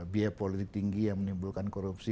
biaya politik tinggi yang menimbulkan korupsi